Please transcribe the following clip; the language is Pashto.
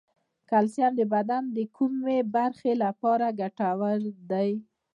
کلسیم د بدن د کومې برخې لپاره ګټور دی